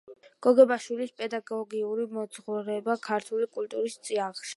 გოგებაშვილის პედაგოგიური მოძღვრება ქართული კულტურის წიაღში